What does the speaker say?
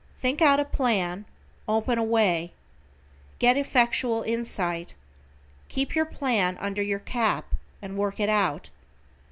Think out a plan, open a way. Get an effectual insight. Keep your plan under your cap, and work it out.